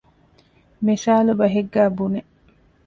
މިސާލުބަހެއްގައި ބުނެ